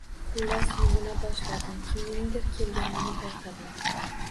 Xullas, yuvina boshladim. Kimningdir kelganini payqadim.